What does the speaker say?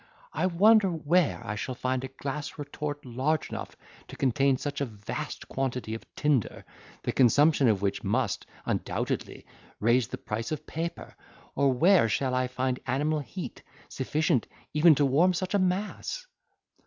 I wonder where I shall find a glass retort large enough to contain such a vast quantity of tinder, the consumption of which must, undoubtedly, raise the price of paper, or where shall I find animal heat sufficient even to warm such a mass?"